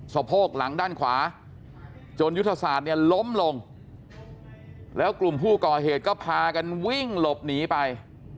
โพกหลังด้านขวาจนยุทธศาสตร์เนี่ยล้มลงแล้วกลุ่มผู้ก่อเหตุก็พากันวิ่งหลบหนีไป